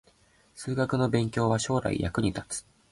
数学の勉強は将来の役に立つ